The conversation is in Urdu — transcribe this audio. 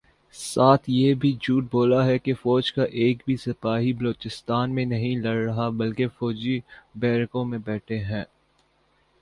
ساتھ یہ جھوٹ بھی بولا ہے کہ فوج کا ایک بھی سپاہی بلوچستان میں نہیں لڑ رہا بلکہ فوجی بیرکوں میں بیٹھے ہیں